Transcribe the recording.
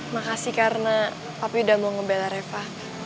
makasih karena papi udah mau ngebelah reva